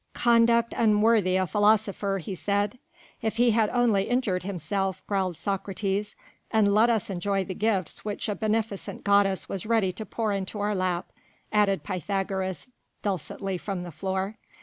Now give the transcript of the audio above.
"Conduct unworthy a philosopher," he said. "If he had only injured himself," growled Socrates. "And let us enjoy the gifts which a beneficent goddess was ready to pour into our lap," added Pythagoras dulcetly from the floor.